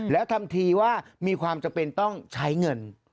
แล้วทำทีว่ามีความจำเป็นต้องใช้เงิน